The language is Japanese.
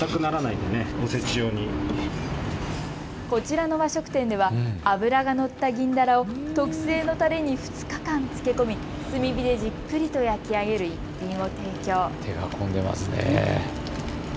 こちらの和食店では脂が乗った銀だらを特製のたれに２日間つけ込み、炭火でじっくりと焼き上げる一品を提供。